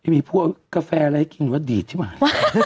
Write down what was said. มีพวกกาแฟอะไรให้กินว่าดีดใช่ไหม